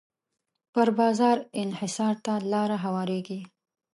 پر بازار انحصار ته لاره هواریږي.